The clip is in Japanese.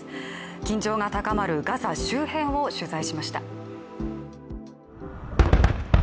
緊張が高まるガザ周辺を取材しました。